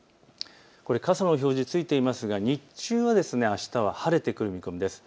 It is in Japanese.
傘の表示、ついていますが日中はあしたは晴れてくる見込みです。